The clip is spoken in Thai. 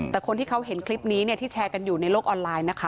แต่คนที่เขาเห็นคลิปนี้ที่แชร์กันอยู่ในโลกออนไลน์นะคะ